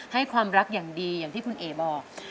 ให้ความรักอย่างดีอย่างที่คุณเอ๋บอก